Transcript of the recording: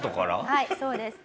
はいそうです。